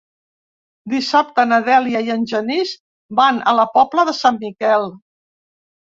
Dissabte na Dèlia i en Genís van a la Pobla de Sant Miquel.